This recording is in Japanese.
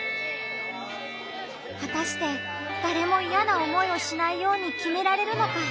はたして誰もイヤな思いをしないように決められるのか？